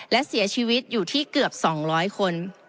และเสียชีวิตอยู่ที่เกือบ๒๐๐คน